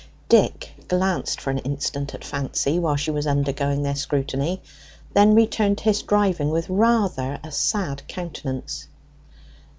Dick glanced for an instant at Fancy while she was undergoing their scrutiny; then returned to his driving with rather a sad countenance.